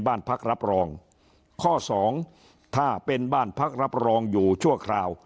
บ้านพักรับรองข้อสองถ้าเป็นบ้านพักรับรองอยู่ชั่วคราว